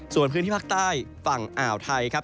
ส่วนพื้นที่ภาคใต้ฝั่งอ่าวไทยครับ